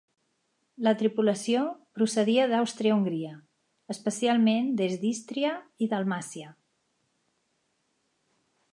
La tripulació procedia d'Àustria-Hongria, especialment des d'Ístria i Dalmàcia.